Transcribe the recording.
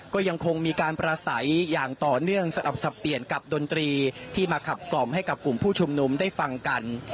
ก็ยังคงมีการประสัยอย่างต่อเนื่องสลับสับเปลี่ยนกับดนตรีที่มาขับกล่อมให้กับกลุ่มผู้ชุมนุมได้ฟังกัน